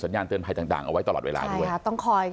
สัญญาณเตือนภัยต่างเอาไว้ตลอดเวลาด้วย